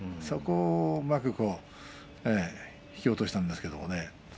そこをうまく引き落としたんですけれどもね。